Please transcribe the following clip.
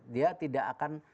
dia tidak akan